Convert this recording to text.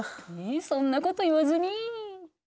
そんなこと言わずに。